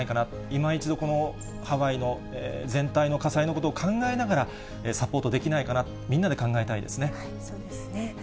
今一度、このハワイの全体の火災のことを考えながら、サポートできないかそうですね。